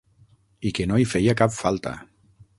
I que no hi feia cap falta.